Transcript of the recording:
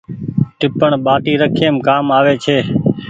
ٽيپڻ ٻآٽي رکيم ڪآم آوي ڇي ۔